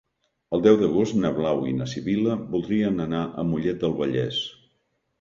El deu d'agost na Blau i na Sibil·la voldrien anar a Mollet del Vallès.